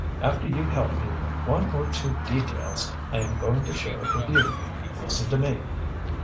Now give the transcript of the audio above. After you help me with one or two details, I am going to share it with you. Listen to me."